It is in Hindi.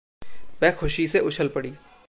वह खुशी से उछल पड़ी।